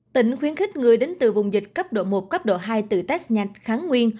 tỉnh khuyến khích người đến từ vùng dịch cấp độ một cấp độ hai tử test nhạc kháng nguyên